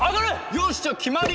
よしじゃあ決まり。